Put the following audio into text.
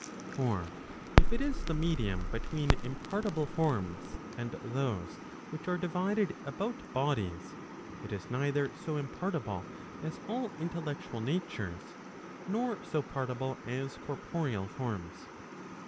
For if it is the medium between impartible forms, and those which are divided about bodies, it is neither so impartible as all intellectual natures, nor so partible as corporeal forms.